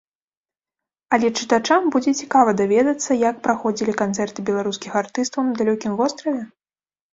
Але чытачам будзе цікава даведацца, як праходзілі канцэрты беларускіх артыстаў на далёкім востраве?